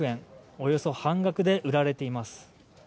およそ半額で売られています。